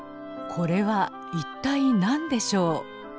これは一体何でしょう？